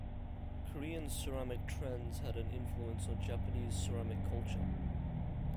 Korean ceramic trends had an influence on Japanese ceramic culture.